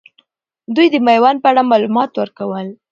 دوي د میوند په اړه معلومات ورکول.